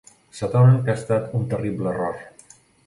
S'adonen que ha estat un terrible error.